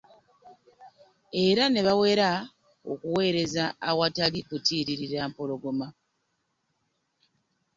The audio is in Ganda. Era ne bawera okuweereza awatali kutiirira Mpologoma.